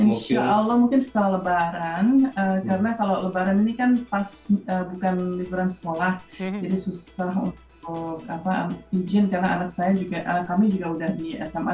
insyaallah mungkin setelah lebaran karena kalau lebaran ini kan pasang pasangnya juga bisa ya